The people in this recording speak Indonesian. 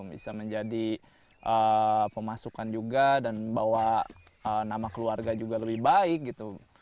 bisa menjadi pemasukan juga dan bawa nama keluarga juga lebih baik gitu